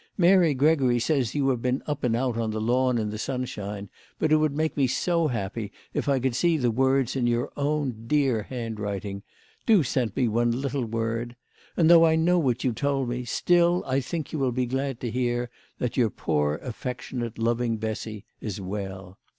Mary Gregory says you have been up and out on the lawn in the sun shine, but it would make me so happy if I could see the words in your own dear handwriting. Do send me one little word. And though I know what you told me, still I think you will be glad to hear that your poor affec tionate loving Bessy is well.